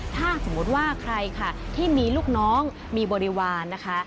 ถ้าสมมุติว่าใครค่ะที่มีลูกน้องมีบริวารนะคะ